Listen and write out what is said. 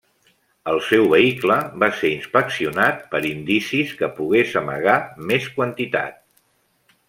El seu vehicle va ser inspeccionat per indicis que pogués amagar més quantitat.